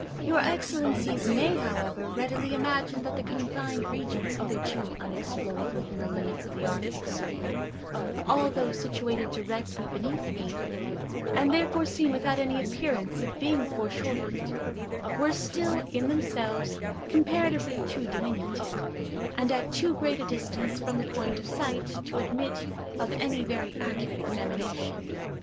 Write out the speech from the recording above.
Your Excellencies may, however, readily imagine that the confined regions hitherto unexplored within the limits of the Arctic circle, although situated directly beneath me, and therefore seen without any appearance of being foreshortened, were still, in themselves, comparatively too diminutive, and at too great a distance from the point of sight, to admit of any very accurate examination.